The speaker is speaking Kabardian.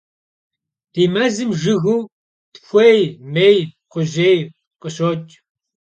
Di mezım jjıgêy, txuêy, mêy, kxhujêy khışoç'.